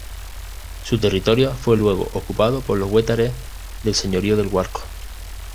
Su territorio fue luego ocupado por los huetares del Señorío del Guarco.